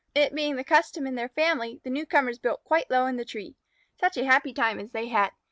It being the custom in their family, the newcomers built quite low in the tree. Such a happy time as they had.